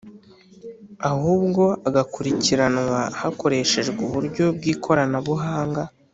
Ahubwo agakurikiranwa hakoreshejwe uburyo bwikoranabuhanga